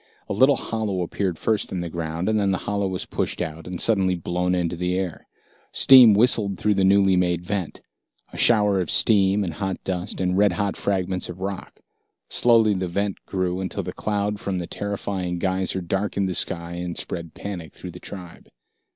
A little hollow appeared first in the ground, and then the hollow was pushed out and suddenly blown into the air. Steam whistled through the newly made vent, a shower of steam and hot dust and red hot fragments of rock. Slowly the vent grew, until the cloud from the terrifying geyser darkened the sky and spread panic through the tribe.